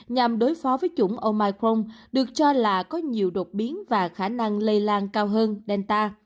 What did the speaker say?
nhằm đối phó với chủng omicron được cho là có nhiều đột biến và khả năng lây lan cao hơn delta